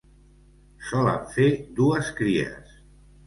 Solen fer dues cries.